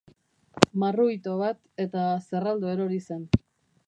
Marru ito bat, eta zerraldo erori zen.